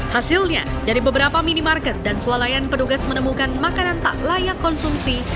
hasilnya dari beberapa minimarket dan sualayan petugas menemukan makanan tak layak konsumsi